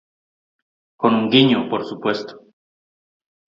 Con un guiño, por supuesto.